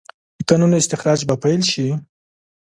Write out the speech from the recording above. د کانونو استخراج به پیل شي؟